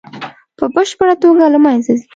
په بشپړه توګه له منځه ځي.